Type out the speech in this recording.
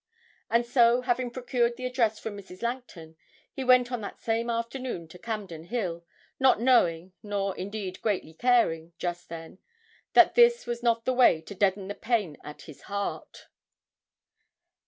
And so, having procured the address from Mrs. Langton, he went on that same afternoon to Campden Hill, not knowing, nor indeed greatly caring just then, that this was not the way to deaden the pain at his heart.